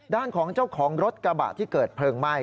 ด้านของเจ้าของรถกระบะที่เกิดเพลิงไหม้